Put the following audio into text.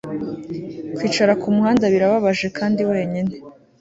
kwicara kumuhanda, birababaje kandi wenyine